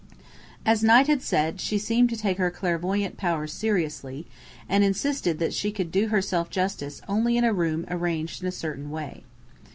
As Knight had said, she seemed to take her clairvoyant power seriously, and insisted that she could do herself justice only in a room arranged in a certain way.